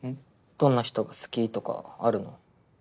どんな人が好きとかあるの？